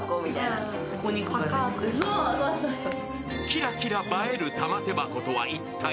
キラキラ映える玉手箱とは一体。